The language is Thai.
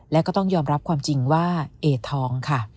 และก็ต้องยอมรับความจริงว่าเอทองค่ะ